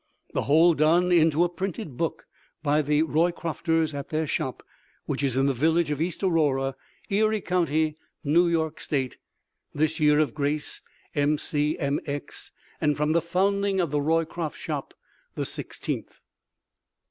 The whole done into a printed book by The Roycrofters at their Shop, which is in the Village of East Aurora, Erie County, New York State, this year of Grace mcmx and from the founding of The Roycroft Shop the Sixteenth.